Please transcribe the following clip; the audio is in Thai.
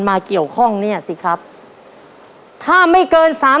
ครอบครัวของแม่ปุ้ยจังหวัดสะแก้วนะครับ